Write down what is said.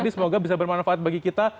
semoga bisa bermanfaat bagi kita